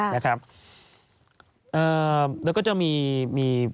แล้วก็จะมี